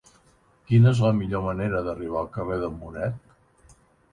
Quina és la millor manera d'arribar al carrer de Muret?